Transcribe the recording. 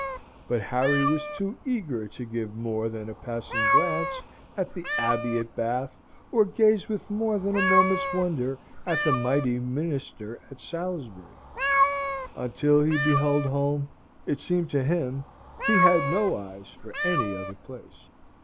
But Harry was too eager to give more than a passing glance at the Abbey at Bath, or gaze with more than a moment's wonder at the mighty Minster at Salisbury. Until he beheld Home it seemed to him he had no eyes for any other place.